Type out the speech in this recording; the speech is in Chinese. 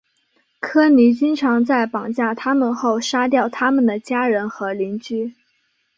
科尼经常在绑架他们后杀掉他们的家人和邻居。